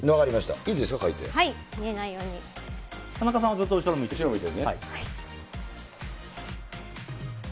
田中さんはずっと後ろを向いて。